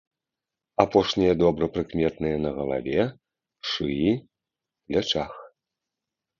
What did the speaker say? Апошнія добра прыкметныя на галаве, шыі, плячах.